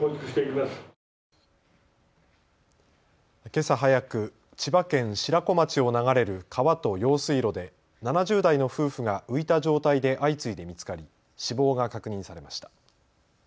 けさ早く、千葉県白子町を流れる川と用水路で７０代の夫婦が浮いた状態で相次いで見つかり死亡が確認されました。